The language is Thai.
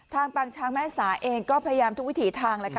ทางปางช้างแม่สาเองก็พยายามทุกวิถีทาง